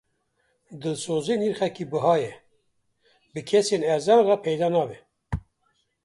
Dilsozî nirxekî biha ye, bi kesên erzan re peyda nabe.